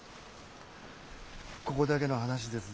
ここだけの話ですぞ。